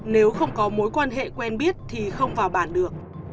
nếu không có mối quan hệ quen biết thì không vào bản được